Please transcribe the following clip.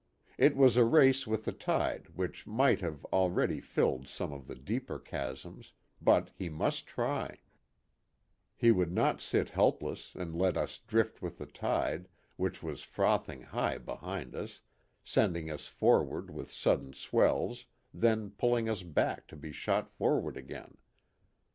It was a race with the tide which might have already filled some of the deeper chasms, but he must try he would not sit helpless and let us drift with the tide, which was frothing high behind us, sending us forward with sudden swells, then pulling us back to be shot forward again.